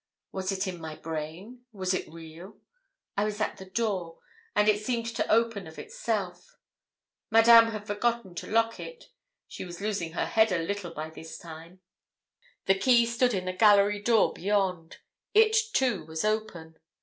Was it in my brain? was it real? I was at the door, and it seemed to open of itself. Madame had forgotten to lock it; she was losing her head a little by this time. The key stood in the gallery door beyond; it too, was open.